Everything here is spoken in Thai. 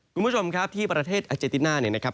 คุณผู้ชมครับที่ประเทศอาเจติน่าเนี่ยนะครับ